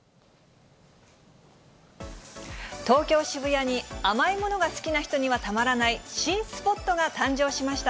東京・渋谷に、甘いものが好きな人にはたまらない新スポットが誕生しました。